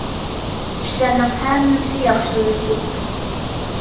ئىشلارنىڭ ھەممىسى ياخشىلىنىپ كېتىدۇ.